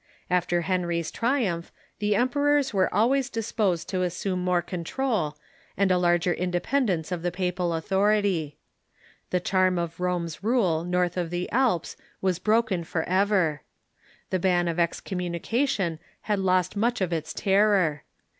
After Henry's trium^ih the emperors were always disposed to assume more control, and a larger independence of the papal authoi'ity. The charm of Rome's rule north of the Alps was broken forever. The ban of excommunication had lost much of its terror.